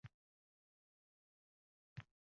Musofirlik tushdi boshga